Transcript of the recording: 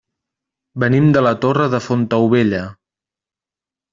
Venim de la Torre de Fontaubella.